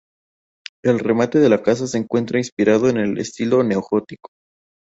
El remate de la casa se encuentra inspirado en el estilo neogótico.